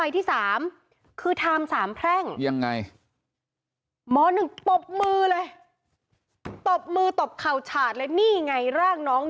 ที่เป็นทางสามแพร่ง